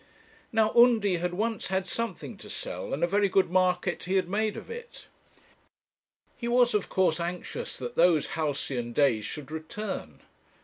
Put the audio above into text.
Now, Undy had once had something to sell, and a very good market he had made of it. He was of course anxious that those halcyon days should return.